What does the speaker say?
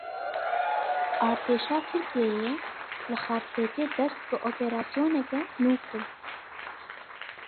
Artêşa Tirkiyeyê li Xarpêtê dest bi operasyoneke nû kir.